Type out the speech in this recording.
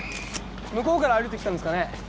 向こうから歩いて来たんですかね？